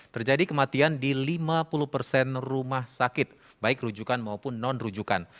terjadi kematian di lima puluh persen rumah sakit baik rujukan maupun non rujukan